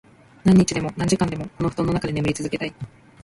何日でも、何時間でも、この布団の中で眠り続けたい。